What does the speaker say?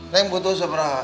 neng butuh seberapa